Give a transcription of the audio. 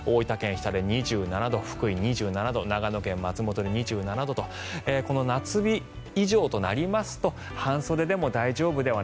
日田で２７度福井２７度長野県松本で２７度とこの夏日以上となりますと半袖でも大丈夫では。